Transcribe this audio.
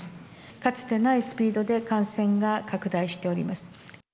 かつてないスピードで感染が拡大しております。